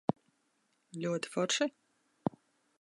Ļoti forši?